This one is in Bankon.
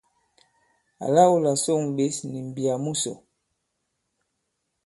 Àla wu là sôŋ ɓěs nì m̀mbiyà musò.